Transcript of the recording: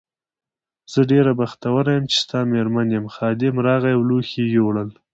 زه ډېره بختوره یم چې ستا مېرمن یم، خادم راغی او لوښي یې یووړل.